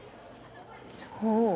そう？